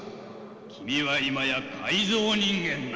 君は今や改造人間なのだ。